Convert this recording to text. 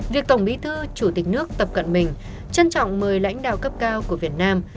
việc tổng bí thư chủ tịch nước tập cận bình trân trọng mời lãnh đạo cấp cao của việt nam